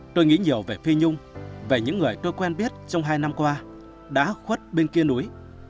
tôi nghĩ nhiều về phi nhung về những người tôi quen biết trong hai năm qua đã khuất bên kia núi